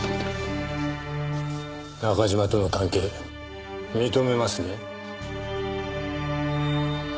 中嶋との関係認めますね？